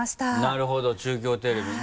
なるほど中京テレビに。